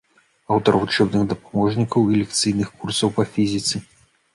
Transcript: Аўтар вучэбных дапаможнікаў і лекцыйных курсаў па фізіцы.